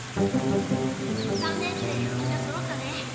三年生みんなそろったね。